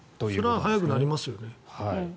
それは速くなりますね。